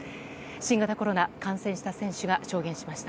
新型コロナ、感染した選手が証言しました。